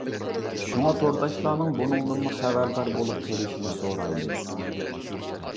شۇڭا، تورداشلارنىڭ بۇنىڭدىنمۇ خەۋەردار بولۇپ قېلىشىنى سورايمىز.